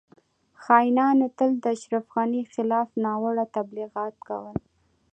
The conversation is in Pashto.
خاینانو تل د اشرف غنی خلاف ناوړه تبلیغات کول